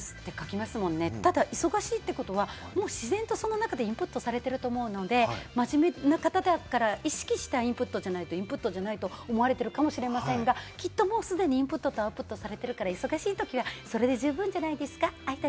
忙しいということは自然とその中でインプットされていると思うので、真面目な方だから、意識したインプットじゃないとインプットされてないと思われているかもしれませんが、きっと既にインプット、アウトプットされてるから、忙しいときはそれで十分じゃないですか。